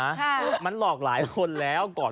ยังไงนะมันหลอกหลายคนแล้วก่อน